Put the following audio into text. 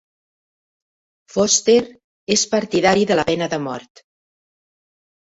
Foster és partidari de la pena de mort.